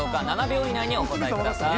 ７秒以内にお答えください。